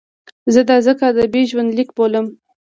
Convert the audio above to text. زه دا ځکه ادبي ژوندلیک بولم.